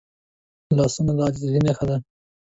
لاسونه د عاجزۍ نښه ده